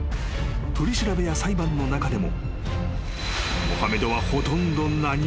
［取り調べや裁判の中でも］